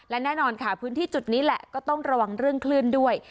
และแน่นอนค่ะพื้นที่จุดนี้แหละก็ต้องระวังเรื่องคลื่นด้วย